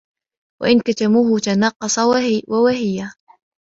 وَإِنْ كَتَمُوهُ تَنَاقَصَ وَوَهِيَ